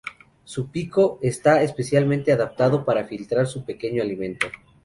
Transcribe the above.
Su pico está especialmente adaptado para filtrar su pequeño alimento.